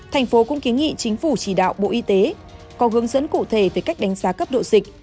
thành phố cũng kiến nghị chính phủ chỉ đạo bộ y tế có hướng dẫn cụ thể về cách đánh giá cấp độ dịch